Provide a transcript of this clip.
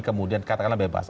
kemudian katakanlah bebas